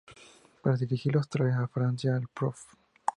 Para dirigirlo trae de Francia al Prof.